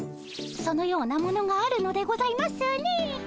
そのようなものがあるのでございますねえ。